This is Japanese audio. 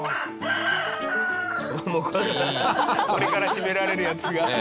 これから絞められるヤツが。